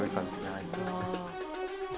あいつは」